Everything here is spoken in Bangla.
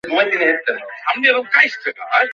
এ প্রেমে উন্মত্ততা আছে, কিন্তু কোন বন্ধন নেই।